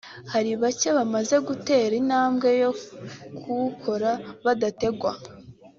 hari bake bamaze gutera intambwe yo kuwukora badategwa